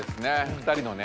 ２人のね